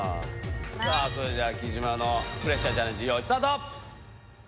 さぁそれでは貴島のプレッシャーチャレンジよいスタート！